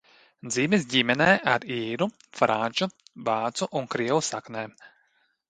Dzimis ģimenē ar īru, franču, vācu un krievu saknēm.